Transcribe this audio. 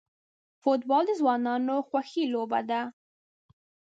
فوټبال د ځوانانو خوښی لوبه ده.